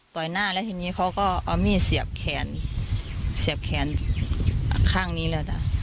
หน้าแล้วทีนี้เขาก็เอามีดเสียบแขนเสียบแขนข้างนี้เลยจ้ะ